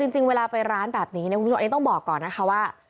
จริงเวลาไปร้านแบบนี้คุณผู้ชมเองต้องบอกก่อนนะคะว่า